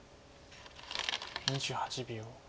２８秒。